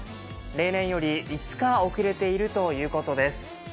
例年より５日遅れているということです。